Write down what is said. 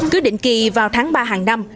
cứ định kỳ vào tháng ba hàng năm